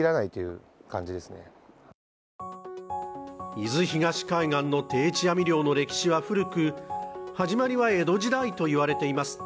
伊豆東海岸の定置網漁の歴史は古く、始まりは江戸時代といわれています。